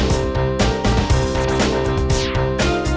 kau harus hafal penuh ya